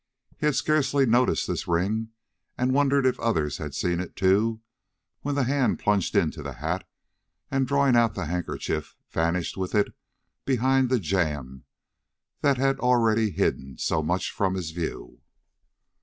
He had scarcely noticed this ring, and wondered if others had seen it too, when the hand plunged into the hat, and drawing out the kerchief, vanished with it behind the jamb that had already hidden so much from his view.